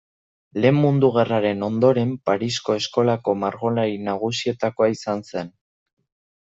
Lehen Mundu Gerraren ondoren Parisko eskolako margolari nagusietakoa izan zen.